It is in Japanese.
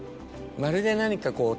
まるで何かこう。